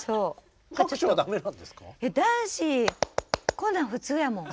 こんなん普通やもん。